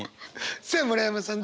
さあ村山さん